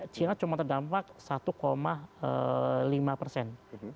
china cuma terdampak satu lima persen dua ribu tiga